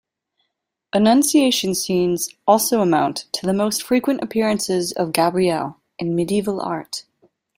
Annunciation scenes also amount to the most frequent appearances of Gabriel in medieval art.